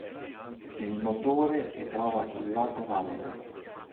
Il motore si trova sul lato valle.